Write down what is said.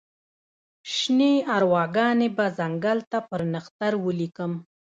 شني ارواګانې به ځنګل ته پر نښتر ولیکم